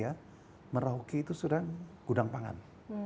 yang merahuki itu sudah gudang pangan